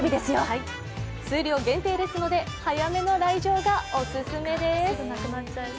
数量限定ですので、早めの来場がオススメです。